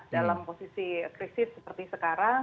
dalam posisi krisis seperti sekarang